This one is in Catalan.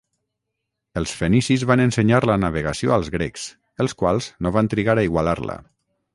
Els fenicis van ensenyar la navegació als grecs, els quals no van trigar a igualar-la.